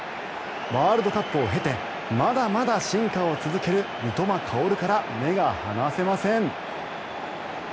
ワールドカップを経てまだまだ進化を続ける三笘薫から目が離せません。